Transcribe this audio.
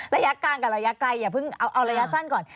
ระยะกลางกับระยะไกลอย่าเพิ่งเอาระยะสั้นก่อน